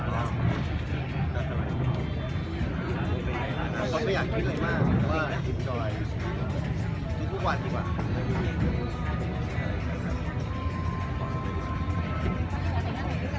แม่กับผู้วิทยาลัย